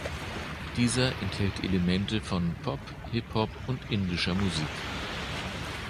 Dieser enthält Elemente von Pop, Hip Hop und indischer Musik.